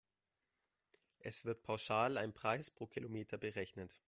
Es wird pauschal ein Preis pro Kilometer berechnet.